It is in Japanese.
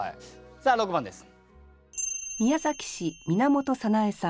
さあ６番です。